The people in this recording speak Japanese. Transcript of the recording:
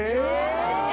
え！